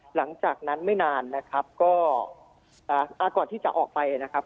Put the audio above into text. หลังจากนั้นไม่นานนะครับก็อ่าก่อนที่จะออกไปนะครับ